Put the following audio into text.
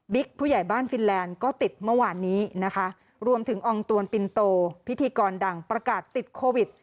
ผู้ใหญ่บ้านฟินแลนด์ก็ติดเมื่อวานนี้นะคะรวมถึงอองตวนปินโตพิธีกรดังประกาศติดโควิด